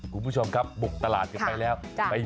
คุณผู้ชมครับบุกตลาดกันไปแล้ว